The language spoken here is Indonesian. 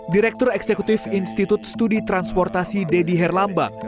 direktur eksekutif institut studi transportasi deddy herlambang